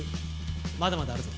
まだまだあるぞ。